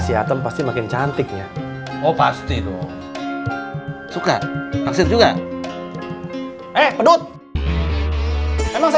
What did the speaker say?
sampai jumpa di video selanjutnya